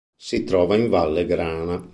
Si trova in Valle Grana.